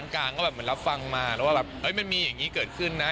กลางก็แบบเหมือนรับฟังมาแล้วว่าแบบมันมีอย่างนี้เกิดขึ้นนะ